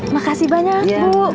makasih banyak bu